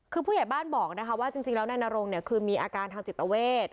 คือผู้ใหญ่บ้านบอกนะคะว่าจริงแล้วนายนรงเนี่ยคือมีอาการทางจิตเวท